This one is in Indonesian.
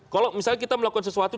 kalau misalnya kita melakukan sesuatu